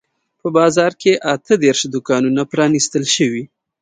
په بازار کې اته دیرش دوکانونه پرانیستل شوي دي.